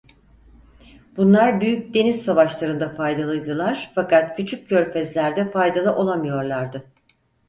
Bunlar büyük deniz savaşlarında faydalıydılar fakat küçük körfezlerde faydalı olamıyorlardı.